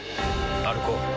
歩こう。